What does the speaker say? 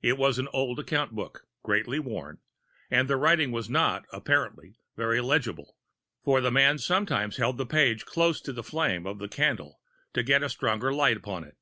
It was an old account book, greatly worn; and the writing was not, apparently, very legible, for the man sometimes held the page close to the flame of the candle to get a stronger light upon it.